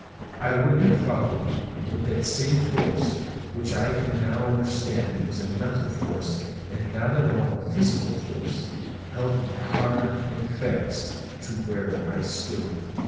I would have followed, but that same force, which I can now understand was a mental force and not at all a physical force, held me hard and fast to where I stood.